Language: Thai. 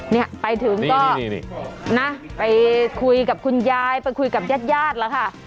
เนี่ยไปถึงก็นะไปคุยกับคุณยายไปคุยกับญาติญาติแล้วค่ะ